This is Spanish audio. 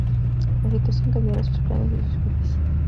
La situación cambiará sus planes y sus vidas.